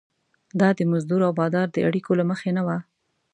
دا د مزدور او بادار د اړیکو له مخې نه وه.